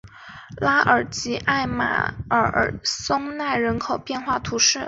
拉尔吉艾马尔松奈人口变化图示